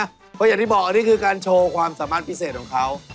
เพราะอย่างที่บอกอันนี้คือการโชว์ความสามารถพิเศษของเขา